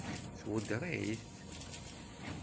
Tweddeṛ-it?